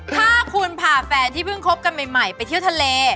ถ้าคุณพาแฟนที่เพิ่งคบกันใหม่ไปเที่ยวทะเล